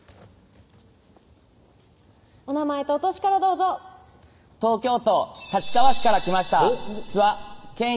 お名前とお歳からどうぞ東京都立川市から来ました諏訪賢也